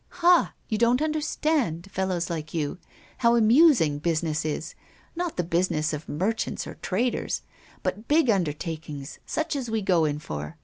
"Ha! you don't understand, fellows like you, how amusing business is, not the business of merchants or traders, but big undertakings such as we go in for!